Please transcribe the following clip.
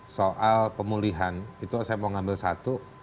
soal pemulihan itu saya mau ngambil satu